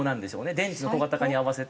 電池の小型化に合わせて。